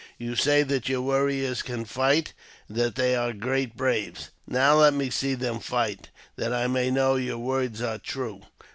You say that your warriors can fight — that they are great braves. Now let me see them fight, that I may know your words are true."